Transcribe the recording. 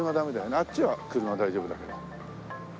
あっちは車大丈夫だけど。